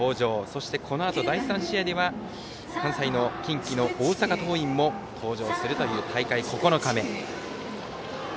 そして、このあと第３試合では関西の近畿の大阪桐蔭も登場するという大会９日目。